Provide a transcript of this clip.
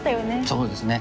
そうですね